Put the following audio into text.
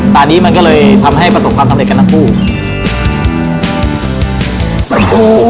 ตอนนี้มันก็เลยทำให้ประสบความสำเร็จกันทั้งคู่